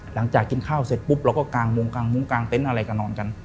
หลังจากกินข้าวเสร็จปุ๊บเราก็กางมงกางมุ้งกางเต็นต์อะไรก็นอนกัน